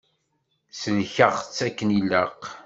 Sellkeɣ-tt akken ilaq.